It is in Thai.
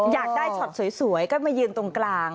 อยากได้ช็อตสวยก็มายืนตรงกลาง